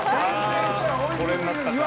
これになったか。